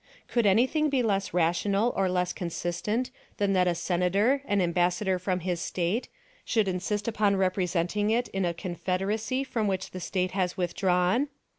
Could anything be less rational or less consistent than that a Senator, an ambassador from his State, should insist upon representing it in a confederacy from which the State has withdrawn?